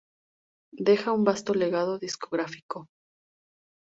Deja un vasto legado discográfico.